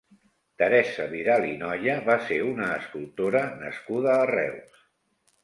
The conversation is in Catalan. Teresa Vidal i Nolla va ser una escultora nascuda a Reus.